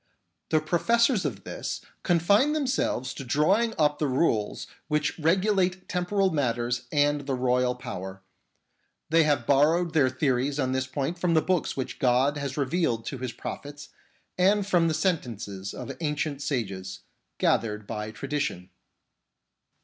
The professors of this confine themselves to drawing up the rules which regulate temporal matters and the royal power. They have borrowed their theories on this point from the books which God has revealed to His prophets and from the sentences of ancient sages, gathered by tradition.